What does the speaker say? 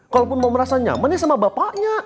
kalaupun mau merasa nyaman ya sama bapaknya